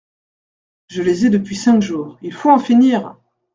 Je les ai depuis cinq jours… il faut en finir !